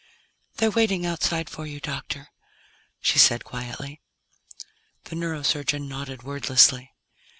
"They're waiting outside for you, Doctor," she said quietly. The neurosurgeon nodded wordlessly.